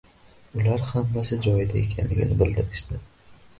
Ular hammasi joyida ekanligini bildirishdi